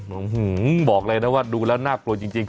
บอกเลยนะว่าดูแล้วน่ากลัวจริง